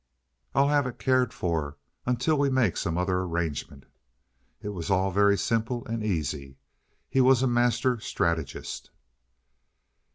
"I'll have it cared for until we make some other arrangement." It was all very simple and easy; he was a master strategist.